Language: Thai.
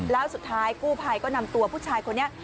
แล้วสุดท้ายกู้ภัยก็นำตัวผู้ชายคนนี้